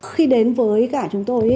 khi đến với cả chúng tôi